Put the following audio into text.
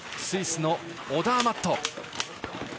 スイスのオダーマット。